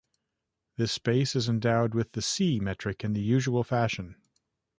This space is endowed with the "C" metric in the usual fashion.